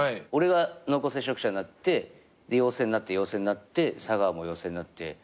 俺が濃厚接触者になってで陽性になって陽性になって佐川も陽性になって。